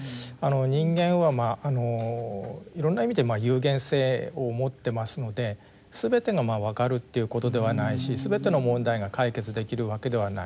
人間はいろんな意味で有限性を持ってますのですべてがわかるっていうことではないしすべての問題が解決できるわけではない。